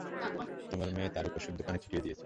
তোমার মেয়ে তার উপর শুদ্ধ পানি ছিটিয়ে দিয়েছিল।